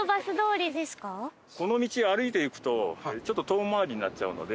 この道を歩いていくとちょっと遠回りになっちゃうので。